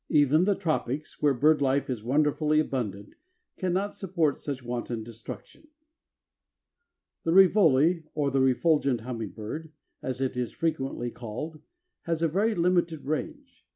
Even the tropics, where bird life is wonderfully abundant, cannot support such wanton destruction. The Rivoli, or the Refulgent hummingbird, as it is frequently called, has a very limited range.